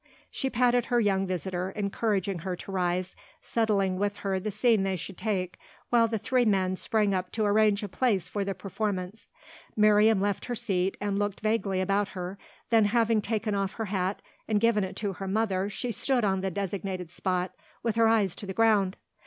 She patted her young visitor, encouraging her to rise, settling with her the scene they should take, while the three men sprang up to arrange a place for the performance. Miriam left her seat and looked vaguely about her; then having taken off her hat and given it to her mother she stood on the designated spot with her eyes to the ground.